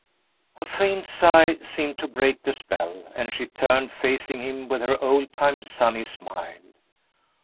A faint sigh seemed to break the spell, and she turned facing him with her old time sunny smile.